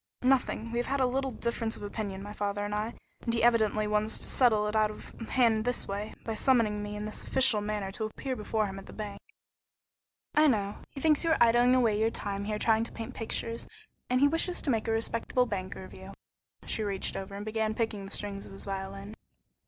"Nothing. We have had a little difference of opinion, my father and I, and he evidently wants to settle it out of hand his way, by summoning me in this official manner to appear before him at the bank." "I know. He thinks you are idling away your time here trying to paint pictures, and he wishes to make a respectable banker of you." She reached over and began picking the strings of his violin.